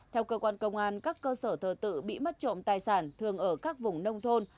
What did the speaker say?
theo cơ quan công an các cơ sở thờ tự bị mất trộm tài sản thường ở các vùng nông thôn